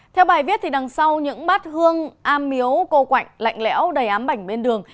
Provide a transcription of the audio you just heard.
theo bài viết đằng sau những bát hương am miếu cô quạnh lạnh lẽo đầy ám bảnh bên đường